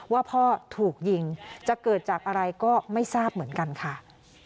ว่าพ่อถูกยิงจะเกิดจากอะไรก็ไม่ทราบเหมือนกันค่ะ